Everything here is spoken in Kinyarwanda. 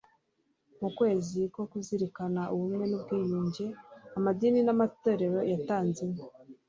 mu kwezi ko kuzirikana ubumwe n'ubwiyunge amadini n'amatorero yatanze inka